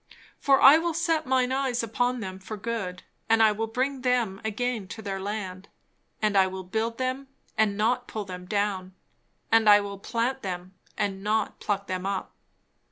For I will set mine eyes upon them for good, and I will bring them again to their land; and I will build them, and not pull them down; and I will plant them, and not pluck them up.